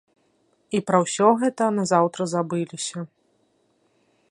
І пра ўсё гэта назаўтра забыліся.